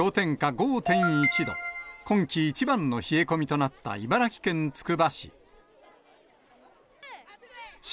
５．１度、今季一番の冷え込みとなった茨城県つくば市。